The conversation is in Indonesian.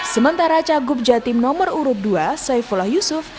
sementara cagup jawa timur nomor urut dua saifuloh yusuf